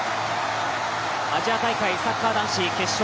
アジア大会サッカー男子決勝